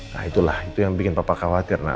nah itulah itu yang bikin bapak khawatir nak